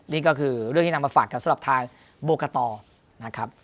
นี่ก็คือเรื่องที่นำมาฝากกันสำหรับทางโบกะตอนะครับ